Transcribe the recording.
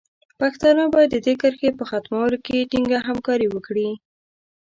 پښتانه باید د دې کرښې په ختمولو کې ټینګه همکاري وکړي.